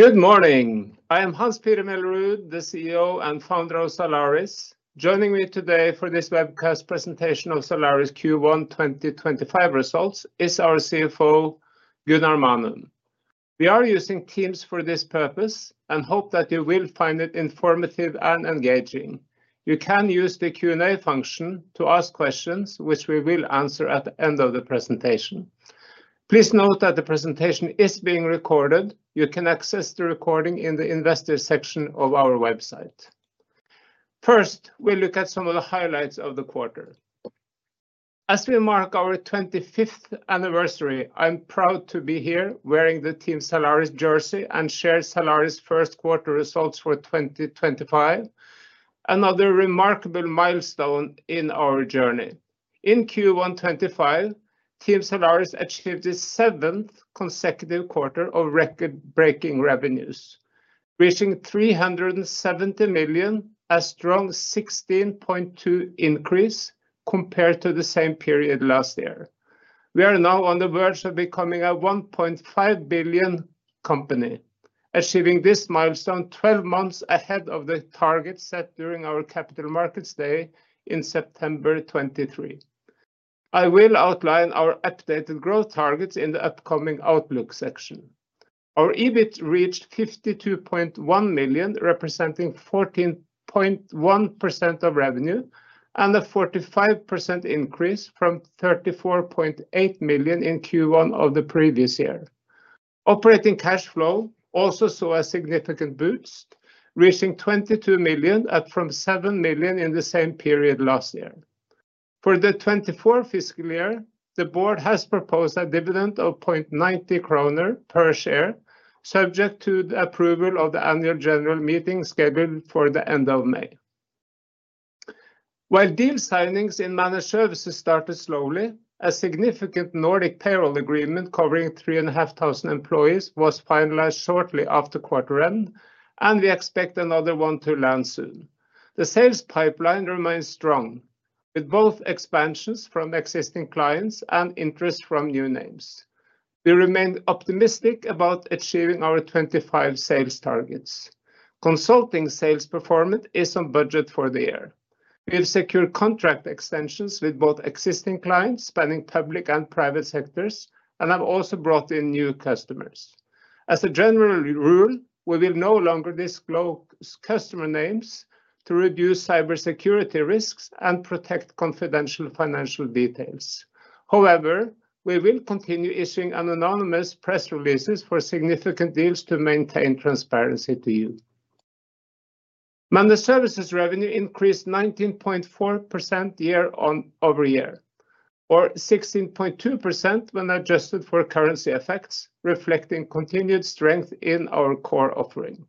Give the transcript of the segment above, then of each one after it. Good morning. I am Hans-Petter Mellerud, the CEO and founder of Zalaris. Joining me today for this webcast presentation of Zalaris Q1 2025 results is our CFO, Gunnar Manum. We are using Teams for this purpose and hope that you will find it informative and engaging. You can use the Q&A function to ask questions, which we will answer at the end of the presentation. Please note that the presentation is being recorded. You can access the recording in the investors' section of our website. First, we'll look at some of the highlights of the quarter. As we mark our 25th anniversary, I'm proud to be here wearing the Team Zalaris jersey and share Zalaris' first quarter results for 2025, another remarkable milestone in our journey. In Q1 2025, Team Zalaris achieved its seventh consecutive quarter of record-breaking revenues, reaching 370 million, a strong 16.2% increase compared to the same period last year. We are now on the verge of becoming a 1.5 billion company, achieving this milestone 12 months ahead of the target set during our capital markets day in September 2023. I will outline our updated growth targets in the upcoming outlook section. Our EBIT reached 52.1 million, representing 14.1% of revenue, and a 45% increase from 34.8 million in Q1 of the previous year. Operating cash flow also saw a significant boost, reaching 22 million up from 7 million in the same period last year. For the 2024 fiscal year, the board has proposed a dividend of 0.90 kroner per share, subject to the approval of the annual general meeting scheduled for the end of May. While deal signings in managed services started slowly, a significant Nordic payroll agreement covering 3,500 employees was finalized shortly after quarter end, and we expect another one to land soon. The sales pipeline remains strong, with both expansions from existing clients and interest from new names. We remain optimistic about achieving our 2025 sales targets. Consulting sales performance is on budget for the year. We've secured contract extensions with both existing clients, spanning public and private sectors, and have also brought in new customers. As a general rule, we will no longer disclose customer names to reduce cybersecurity risks and protect confidential financial details. However, we will continue issuing anonymous press releases for significant deals to maintain transparency to you. Managed services revenue increased 19.4% year-over-year, or 16.2% when adjusted for currency effects, reflecting continued strength in our core offering.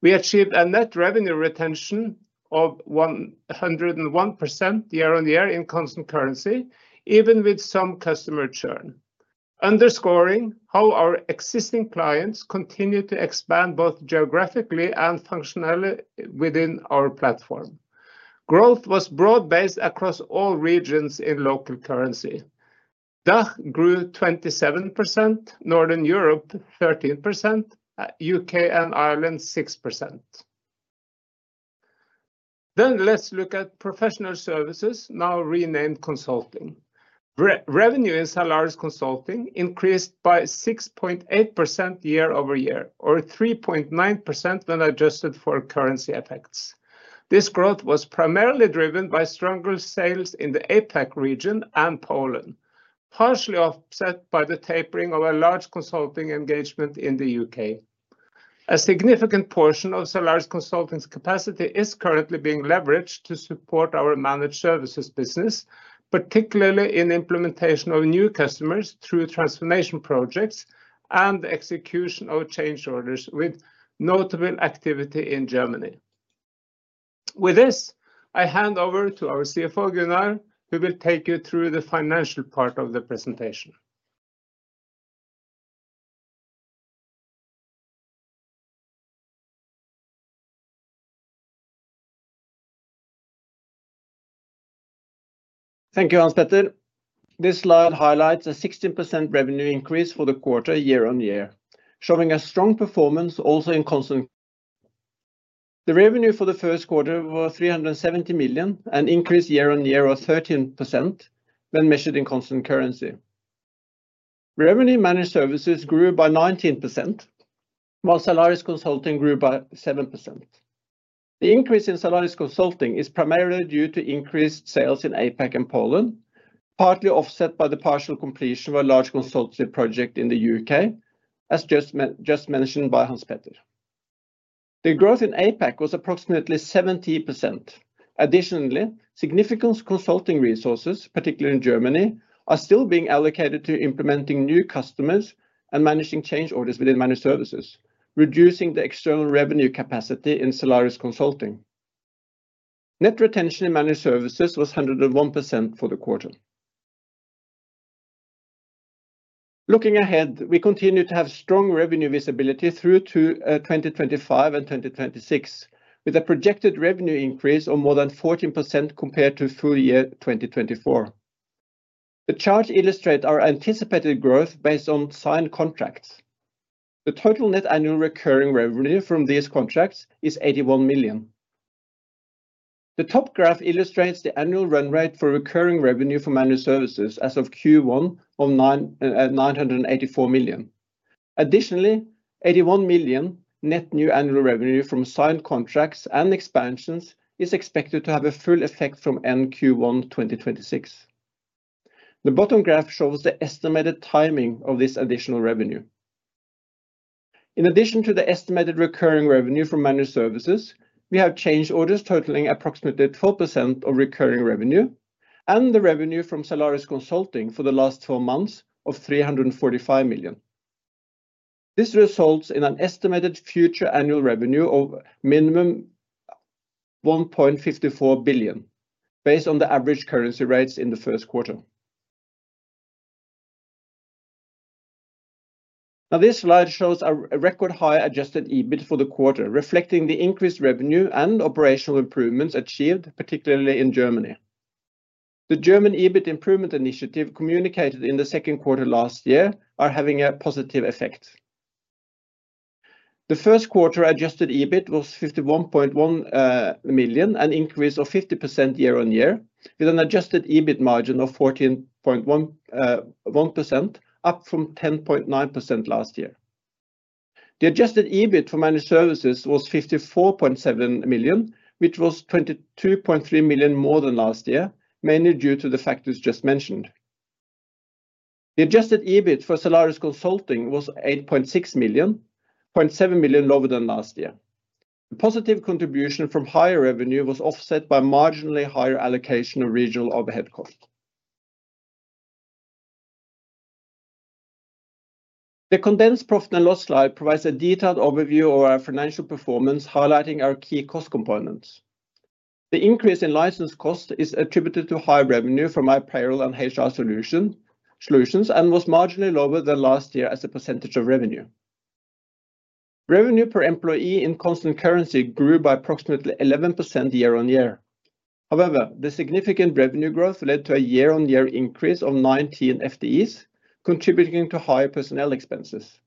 We achieved a net revenue retention of 101% year on year in constant currency, even with some customer churn, underscoring how our existing clients continue to expand both geographically and functionally within our platform. Growth was broad-based across all regions in local currency. DACH grew 27%, Northern Europe 13%, U.K. and Ireland 6%. Let's look at professional services, now renamed consulting. Revenue in Zalaris Consulting increased by 6.8% year-over-year, or 3.9% when adjusted for currency effects. This growth was primarily driven by stronger sales in the APAC region and Poland, partially offset by the tapering of a large consulting engagement in the U.K. A significant portion of Zalaris Consulting's capacity is currently being leveraged to support our managed services business, particularly in implementation of new customers through transformation projects and execution of change orders, with notable activity in Germany. With this, I hand over to our CFO, Gunnar, who will take you through the financial part of the presentation. Thank you, Hans-Petter. This slide highlights a 16% revenue increase for the quarter year on year, showing a strong performance also in constant. The revenue for the first quarter was 370 million, an increase year on year of 13% when measured in constant currency. Revenue managed services grew by 19%, while Zalaris Consulting grew by 7%. The increase in Zalaris Consulting is primarily due to increased sales in APAC and Poland, partly offset by the partial completion of a large consultancy project in the U.K., as just mentioned by Hans-Petter. The growth in APAC was approximately 17%. Additionally, significant consulting resources, particularly in Germany, are still being allocated to implementing new customers and managing change orders within managed services, reducing the external revenue capacity in Zalaris Consulting. Net retention in managed services was 101% for the quarter. Looking ahead, we continue to have strong revenue visibility through 2025 and 2026, with a projected revenue increase of more than 14% compared to full year 2024. The chart illustrates our anticipated growth based on signed contracts. The total net annual recurring revenue from these contracts is 81 million. The top graph illustrates the annual run rate for recurring revenue for managed services as of Q1 of 984 million. Additionally, 81 million net new annual revenue from signed contracts and expansions is expected to have a full effect from end Q1 2026. The bottom graph shows the estimated timing of this additional revenue. In addition to the estimated recurring revenue from managed services, we have change orders totaling approximately 12% of recurring revenue, and the revenue from Zalaris Consulting for the last four months of 345 million. This results in an estimated future annual revenue of minimum 1.54 billion, based on the average currency rates in the first quarter. Now, this slide shows a record high adjusted EBIT for the quarter, reflecting the increased revenue and operational improvements achieved, particularly in Germany. The German EBIT improvement initiative communicated in the second quarter last year is having a positive effect. The first quarter adjusted EBIT was 51.1 million, an increase of 50% year on year, with an adjusted EBIT margin of 14.1%, up from 10.9% last year. The adjusted EBIT for managed services was 54.7 million, which was 22.3 million more than last year, mainly due to the factors just mentioned. The adjusted EBIT for Zalaris Consulting was 8.6 million, 0.7 million lower than last year. The positive contribution from higher revenue was offset by marginally higher allocation of regional overhead costs. The condensed profit and loss slide provides a detailed overview of our financial performance, highlighting our key cost components. The increase in license cost is attributed to high revenue from our payroll and HR solutions and was marginally lower than last year as a percentage of revenue. Revenue per employee in constant currency grew by approximately 11% year on year. However, the significant revenue growth led to a year-on-year increase of 19 FTEs, contributing to higher personnel expenses.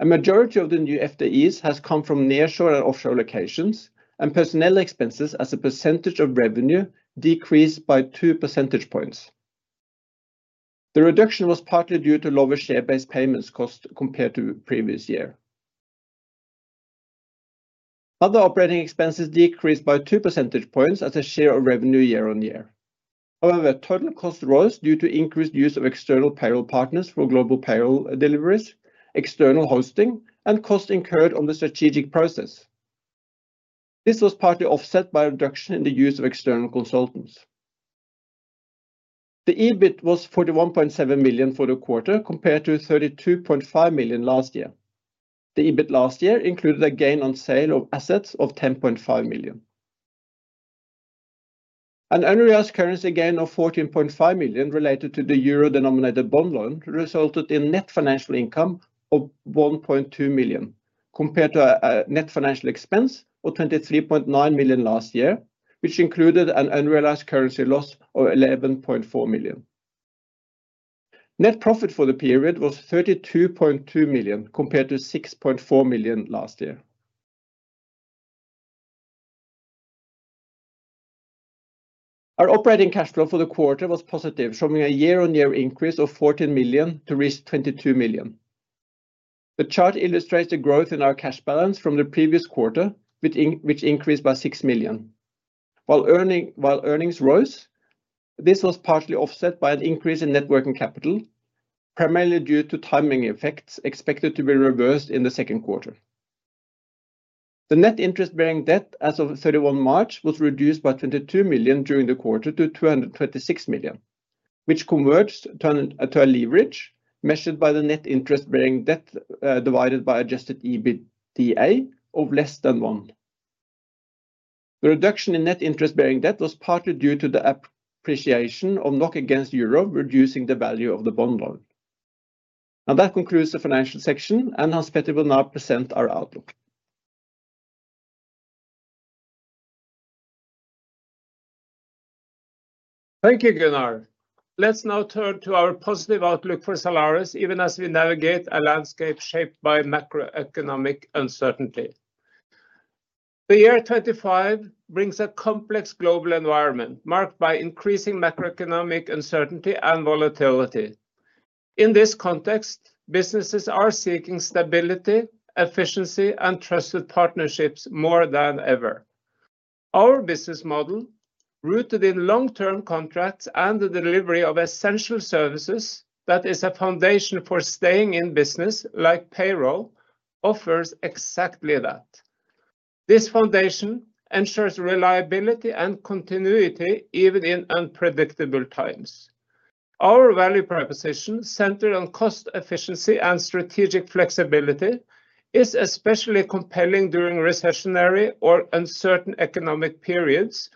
A majority of the new FTEs has come from nearshore and offshore locations, and personnel expenses as a percentage of revenue decreased by two percentage points. The reduction was partly due to lower share-based payments cost compared to previous year. Other operating expenses decreased by two percentage points as a share of revenue year on year. However, total cost rose due to increased use of external payroll partners for global payroll deliveries, external hosting, and costs incurred on the strategic process. This was partly offset by a reduction in the use of external consultants. The EBIT was 41.7 million for the quarter, compared to 32.5 million last year. The EBIT last year included a gain on sale of assets of 10.5 million. An unrealized currency gain of 14.5 million related to the euro-denominated bond loan resulted in net financial income of 1.2 million, compared to a net financial expense of 23.9 million last year, which included an unrealized currency loss of 11.4 million. Net profit for the period was 32.2 million, compared to 6.4 million last year. Our operating cash flow for the quarter was positive, showing a year-on-year increase of 14 million to reach 22 million. The chart illustrates the growth in our cash balance from the previous quarter, which increased by 6 million. While earnings rose, this was partially offset by an increase in net working capital, primarily due to timing effects expected to be reversed in the second quarter. The net interest-bearing debt as of 31 March was reduced by 22 million during the quarter to 226 million, which converged to a leverage measured by the net interest-bearing debt divided by adjusted EBITDA of less than one. The reduction in net interest-bearing debt was partly due to the appreciation of NOK against euro, reducing the value of the bond loan. Now, that concludes the financial section, and Hans-Petter will now present our outlook. Thank you, Gunnar. Let's now turn to our positive outlook for Zalaris, even as we navigate a landscape shaped by macroeconomic uncertainty. The year 2025 brings a complex global environment marked by increasing macroeconomic uncertainty and volatility. In this context, businesses are seeking stability, efficiency, and trusted partnerships more than ever. Our business model, rooted in long-term contracts and the delivery of essential services that is a foundation for staying in business, like payroll, offers exactly that. This foundation ensures reliability and continuity even in unpredictable times. Our value proposition, centered on cost efficiency and strategic flexibility, is especially compelling during recessionary or uncertain economic periods,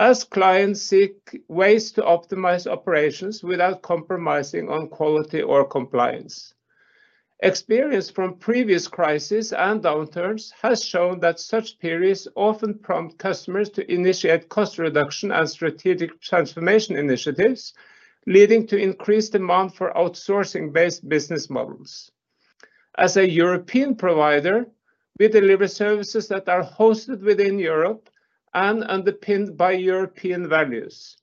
as clients seek ways to optimize operations without compromising on quality or compliance. Experience from previous crises and downturns has shown that such periods often prompt customers to initiate cost reduction and strategic transformation initiatives, leading to increased demand for outsourcing-based business models. As a European provider, we deliver services that are hosted within Europe and underpinned by European values,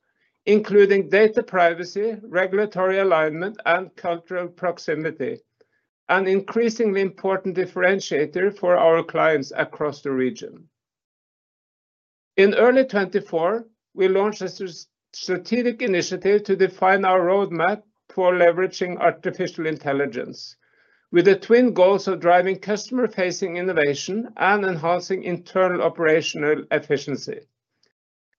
including data privacy, regulatory alignment, and cultural proximity, an increasingly important differentiator for our clients across the region. In early 2024, we launched a strategic initiative to define our roadmap for leveraging artificial intelligence, with the twin goals of driving customer-facing innovation and enhancing internal operational efficiency.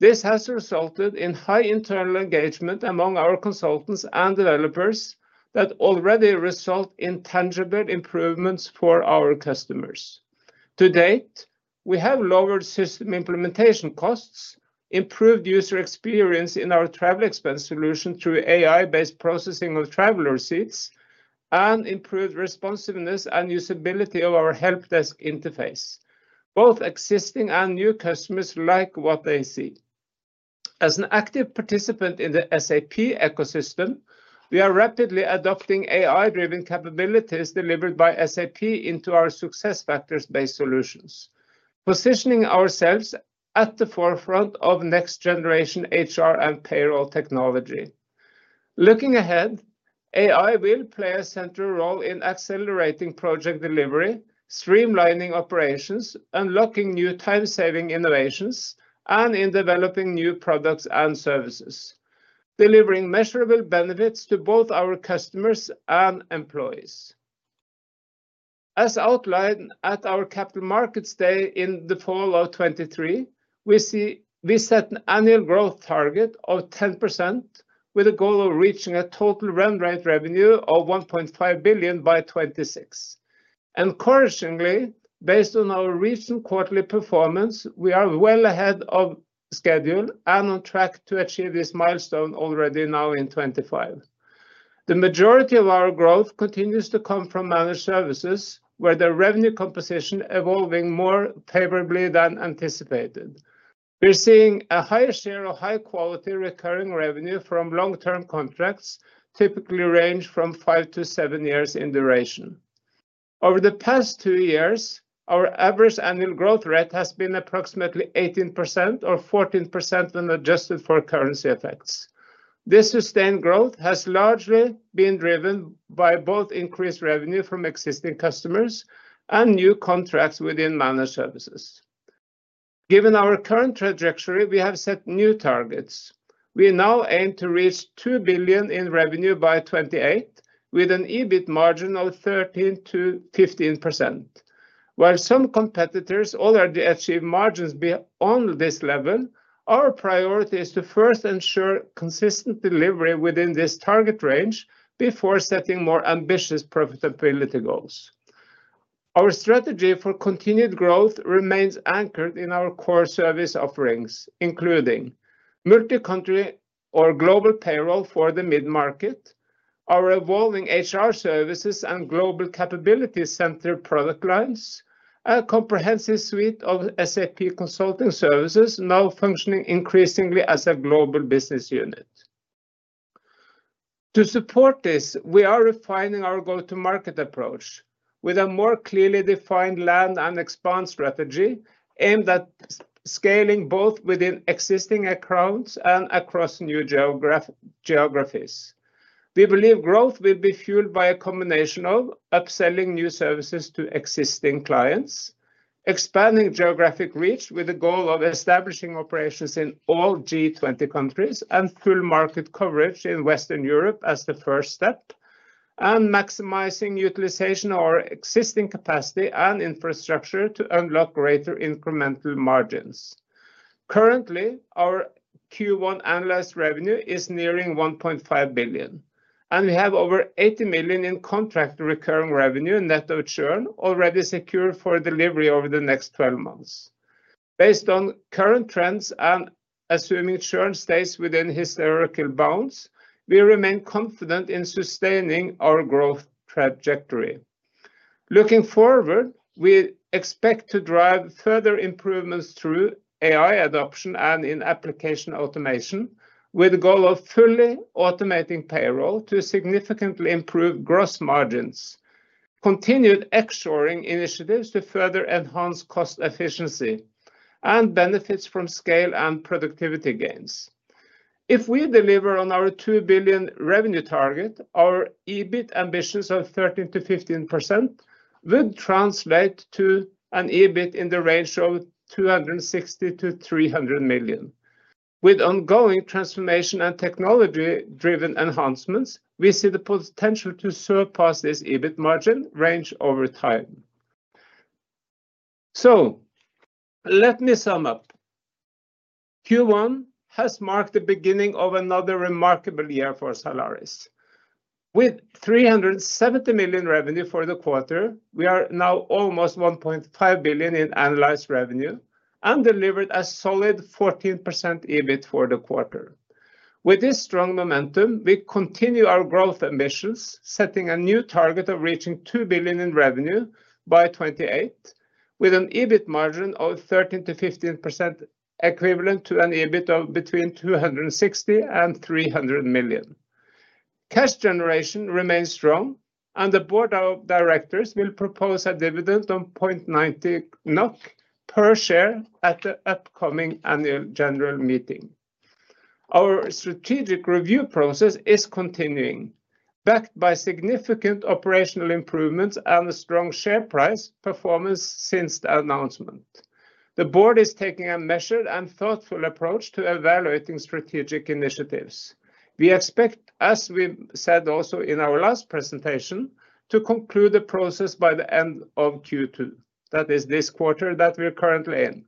This has resulted in high internal engagement among our consultants and developers that already result in tangible improvements for our customers. To date, we have lowered system implementation costs, improved user experience in our Travel Expense Solution through AI-based processing of traveler seats, and improved responsiveness and usability of our help desk interface. Both existing and new customers like what they see. As an active participant in the SAP ecosystem, we are rapidly adopting AI-driven capabilities delivered by SAP into our SuccessFactors-based solutions, positioning ourselves at the forefront of next-generation HR and payroll technology. Looking ahead, AI will play a central role in accelerating project delivery, streamlining operations, unlocking new time-saving innovations, and in developing new products and services, delivering measurable benefits to both our customers and employees. As outlined at our Capital Markets Day in the fall of 2023, we set an annual growth target of 10%, with a goal of reaching a total run rate revenue of 1.5 billion by 2026. Encouragingly, based on our recent quarterly performance, we are well ahead of schedule and on track to achieve this milestone already now in 2025. The majority of our growth continues to come from Managed Services, where the revenue composition is evolving more favorably than anticipated. We're seeing a higher share of high-quality recurring revenue from long-term contracts, typically ranging from five to seven years in duration. Over the past two years, our average annual growth rate has been approximately 18% or 14% when adjusted for currency effects. This sustained growth has largely been driven by both increased revenue from existing customers and new contracts within managed services. Given our current trajectory, we have set new targets. We now aim to reach 2 billion in revenue by 2028, with an EBIT margin of 13%-15%. While some competitors already achieve margins beyond this level, our priority is to first ensure consistent delivery within this target range before setting more ambitious profitability goals. Our strategy for continued growth remains anchored in our core service offerings, including multi-country or global payroll for the mid-market, our evolving HR services and global capability-centered product lines, and a comprehensive suite of SAP consulting services now functioning increasingly as a global business unit. To support this, we are refining our go-to-market approach with a more clearly defined land and expand strategy aimed at scaling both within existing accounts and across new geographies. We believe growth will be fueled by a combination of upselling new services to existing clients, expanding geographic reach with the goal of establishing operations in all G20 countries, and full market coverage in Western Europe as the first step, and maximizing utilization of our existing capacity and infrastructure to unlock greater incremental margins. Currently, our Q1 annualized revenue is nearing 1.5 billion, and we have over 80 million in contract recurring revenue and net of churn already secured for delivery over the next 12 months. Based on current trends and assuming churn stays within historical bounds, we remain confident in sustaining our growth trajectory. Looking forward, we expect to drive further improvements through AI adoption and in application automation, with the goal of fully automating payroll to significantly improve gross margins, continued X-shoring initiatives to further enhance cost efficiency, and benefits from scale and productivity gains. If we deliver on our 2 billion revenue target, our EBIT ambitions of 13%-15% would translate to an EBIT in the range of 260-300 million. With ongoing transformation and technology-driven enhancements, we see the potential to surpass this EBIT margin range over time. Let me sum up. Q1 has marked the beginning of another remarkable year for Zalaris. With 370 million revenue for the quarter, we are now almost 1.5 billion in annualized revenue and delivered a solid 14% EBIT for the quarter. With this strong momentum, we continue our growth ambitions, setting a new target of reaching 2 billion in revenue by 2028, with an EBIT margin of 13%-15% equivalent to an EBIT of between 260 million and 300 million. Cash generation remains strong, and the board of directors will propose a dividend of 0.90 NOK per share at the upcoming annual general meeting. Our strategic review process is continuing, backed by significant operational improvements and a strong share price performance since the announcement. The board is taking a measured and thoughtful approach to evaluating strategic initiatives. We expect, as we said also in our last presentation, to conclude the process by the end of Q2, that is this quarter that we're currently in,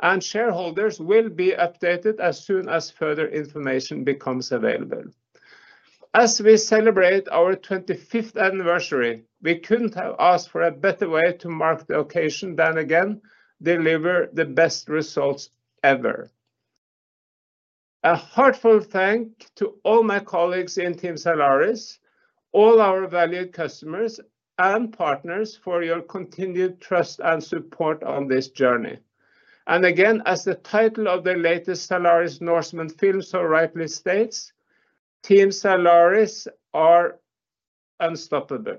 and shareholders will be updated as soon as further information becomes available. As we celebrate our 25th anniversary, we couldn't have asked for a better way to mark the occasion than again deliver the best results ever. A heartfelt thank you to all my colleagues in Team Zalaris, all our valued customers, and partners for your continued trust and support on this journey. As the title of the latest Zalaris Norseman film so rightly states, Team Zalaris are unstoppable.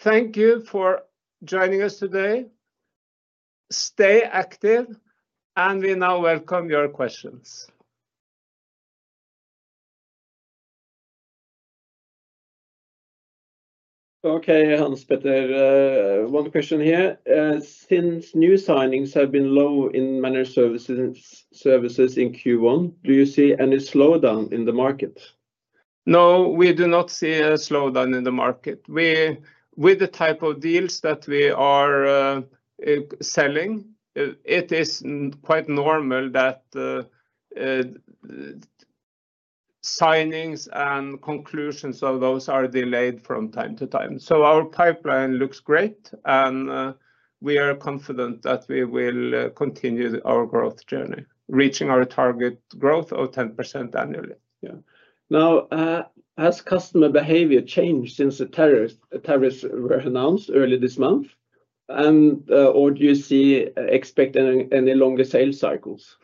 Thank you for joining us today. Stay active, and we now welcome your questions. Okay, Hans-Petter. One question here. Since new signings have been low in managed services in Q1, do you see any slowdown in the market? No, we do not see a slowdown in the market. With the type of deals that we are selling, it is quite normal that signings and conclusions of those are delayed from time to time. Our pipeline looks great, and we are confident that we will continue our growth journey, reaching our target growth of 10% annually. Now, has customer behavior changed since the tariffs were announced early this month? Do you expect any longer sales cycles?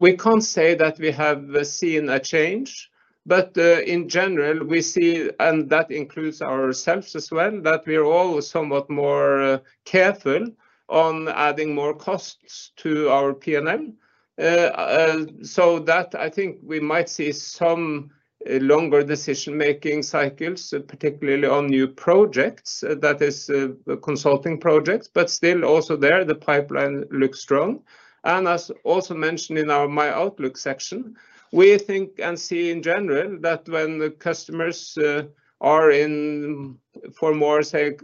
We can't say that we have seen a change, but in general, we see, and that includes ourselves as well, that we're all somewhat more careful on adding more costs to our P&L. I think we might see some longer decision-making cycles, particularly on new projects, that is consulting projects, but still also there, the pipeline looks strong. As also mentioned in our My Outlook section, we think and see in general that when the customers are in, for more to say,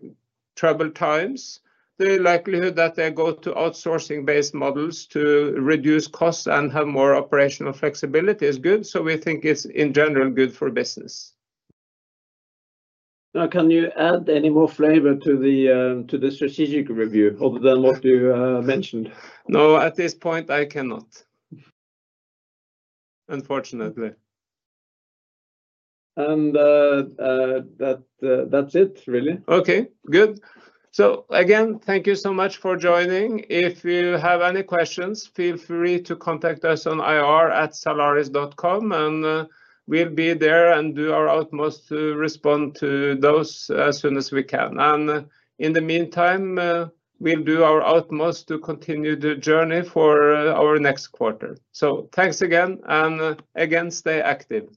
troubled times, the likelihood that they go to outsourcing-based models to reduce costs and have more operational flexibility is good. We think it's in general good for business. Now, can you add any more flavor to the strategic review other than what you mentioned? No, at this point, I cannot. Unfortunately. That is it, really. Okay, good. Again, thank you so much for joining. If you have any questions, feel free to contact us at ir@zalaris.com, and we will be there and do our utmost to respond to those as soon as we can. In the meantime, we will do our utmost to continue the journey for our next quarter. Thanks again, and again, stay active.